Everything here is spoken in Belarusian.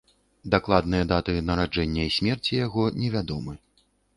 Дакладныя даты нараджэння і смерці яго невядомы.